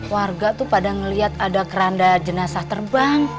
warga tuh pada melihat ada keranda jenazah terbang